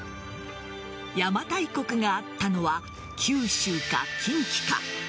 邪馬台国があったのは九州か近畿か。